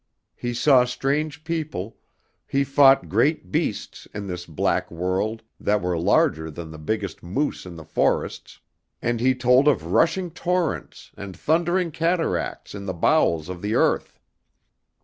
He saw strange people, he fought great beasts in this black world that were larger than the biggest moose in the forests, and he told of rushing torrents and thundering cataracts in the bowels of the earth.